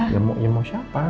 ya mau siapa